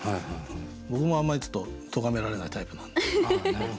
僕もあんまりちょっと咎められないタイプなんで。